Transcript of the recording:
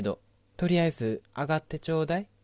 とりあえず上がってちょうだい。